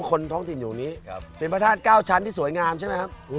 คนท้องถิ่นอยู่นี้เป็นพระธาตุ๙ชั้นที่สวยงามใช่ไหมครับ